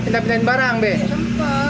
di pilih udah keluar apa mau belas apa